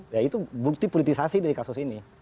ya itu bukti politisasi dari kasus ini